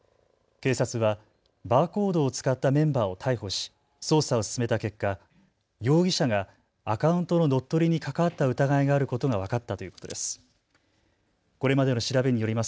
警察はバーコードを使ったメンバーを逮捕し捜査を進めた結果、容疑者がアカウントの乗っ取りに関わった疑いがあることが分かったということです。